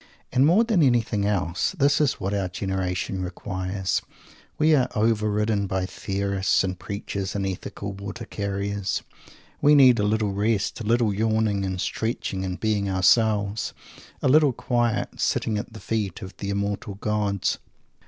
And more than anything else, this is what our generation requires! We are over ridden by theorists and preachers and ethical water carriers; we need a little rest a little yawning and stretching and "being ourselves"; a little quiet sitting at the feet of the Immortal Gods.